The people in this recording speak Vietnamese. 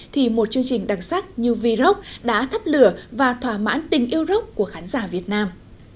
thì một chương trình đặc sắc như v rock đã thắp lửa và thỏa mãn tình yêu rock của khán giả việt nam